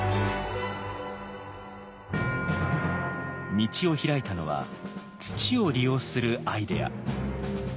道を開いたのは土を利用するアイデア。